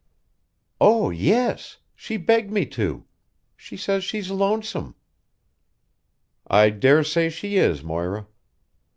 "Oh, yes! She begged me to. She says she's lonesome." "I dare say she is, Moira.